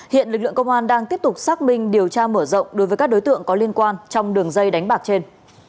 hiện lực lượng công an đang tiếp tục xác minh điều tra mở rộng đối với các đối tượng có liên quan trong đường dây đánh bạc trên